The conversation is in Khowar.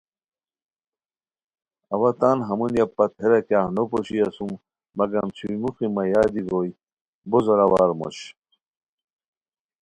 اوا تان ہمونیہ پت ہیرا کیاغ نو پوشی اسوم مگم چھوئے موخی مہ یادی گوئے بو زورا وار موش